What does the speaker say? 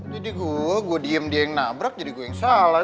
gede gue gue diem dia yang nabrak jadi gue yang salah